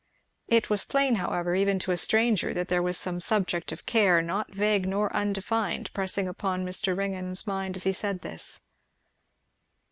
It was plain, however, even to a stranger, that there was some subject of care not vague nor undefined pressing upon Mr. Ringgan's mind as he said this.